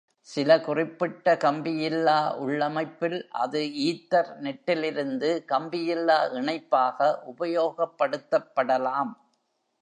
சில குறிப்பிட்ட கம்பியில்லா உள்ளமைப்பில் அது ஈத்தர் நெட்டிலிருந்து கம்பியில்லா இணைப்பாக உபயோகப்படுத்தப் படலாம்.